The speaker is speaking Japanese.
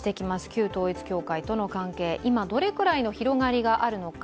旧統一教会との関係、今どのくらいの広がりがあるのか。